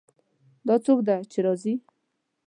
دا څوک ده چې راځي